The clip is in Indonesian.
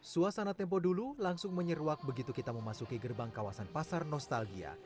suasana tempo dulu langsung menyeruak begitu kita memasuki gerbang kawasan pasar nostalgia